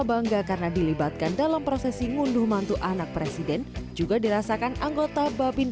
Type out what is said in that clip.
bangga karena dilibatkan dalam prosesi ngunduh mantu anak presiden juga dirasakan anggota babin